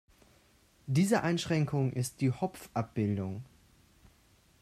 Diese Einschränkung ist die Hopf-Abbildung.